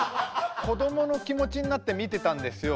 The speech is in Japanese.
子どもの気持ちになって見てたんですよ。